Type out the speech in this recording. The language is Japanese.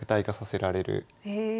へえ。